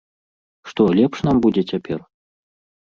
Што, лепш нам будзе цяпер?